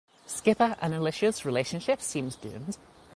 Skipper and Alicia's relationship seemed doomed.